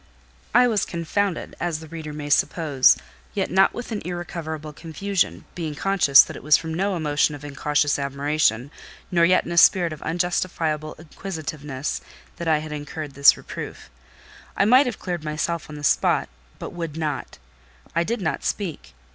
I was confounded, as the reader may suppose, yet not with an irrecoverable confusion; being conscious that it was from no emotion of incautious admiration, nor yet in a spirit of unjustifiable inquisitiveness, that I had incurred this reproof. I might have cleared myself on the spot, but would not. I did not speak.